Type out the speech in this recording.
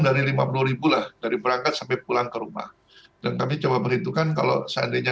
dari lima puluh lah dari berangkat sampai pulang ke rumah dan kami coba perhitungkan kalau seandainya